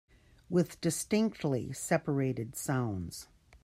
With distinctly separated sounds.